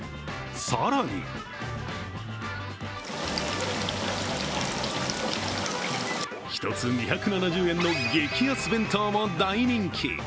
更に一つ２７０円の激安弁当も大人気。